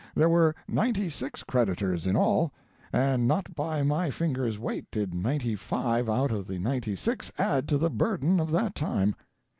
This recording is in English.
There were ninety six creditors in all, and not by a finger's weight did ninety five out of the ninety six add to the burden of that time.